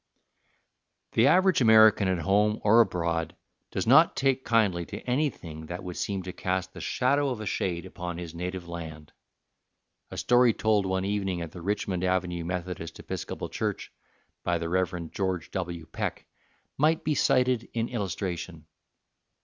The average American at home or abroad does not take kindly to anything that would seem to cast the shadow of a shade upon his native land. A story told one evening at the Richmond Avenue Methodist Episcopal Church by the Rev. George W. Peck might be cited in illustration.